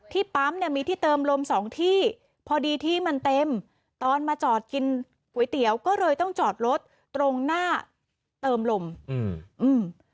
ปั๊มเนี้ยมีที่เติมลมสองที่พอดีที่มันเต็มตอนมาจอดกินก๋วยเตี๋ยวก็เลยต้องจอดรถตรงหน้าเติมลมอืมอืม